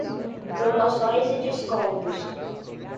Promoções e descontos